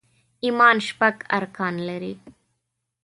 ايمان شپږ ارکان لري